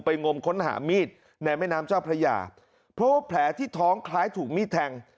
งมค้นหามีดในแม่น้ำเจ้าพระยาเพราะว่าแผลที่ท้องคล้ายถูกมีดแทง